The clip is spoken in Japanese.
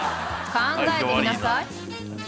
［考えてみなさい］